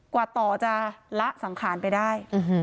กว่าต่อจะละสังขารไปได้